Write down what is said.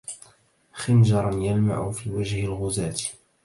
خنجراً يلمع في وجه الغزاة